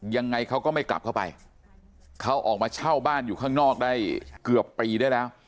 ยังไงเขาก็ไม่กลับเข้าไปเขาออกมาเช่าบ้านอยู่ข้างนอกได้เกือบปีได้แล้ว